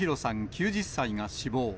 ９０歳が死亡。